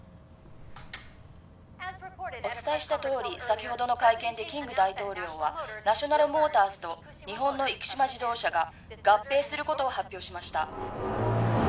お伝えしたとおり先ほどの会見でキング大統領はナショナルモータースと日本の生島自動車が合併することを発表しました